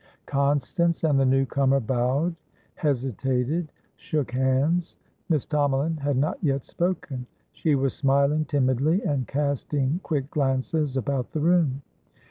Constance and the new comer bowed, hesitated, shook hands. Miss Tomalin had not yet spoken; she was smiling timidly, and casting quick glances about the room.